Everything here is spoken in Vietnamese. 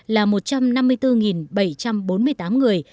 là một trăm năm mươi bốn bảy trăm bốn mươi tám người